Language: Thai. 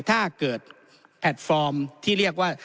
ถ้าเกิดแพลตฟอร์มที่เรียกว่า